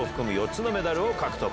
４つのメダルを獲得。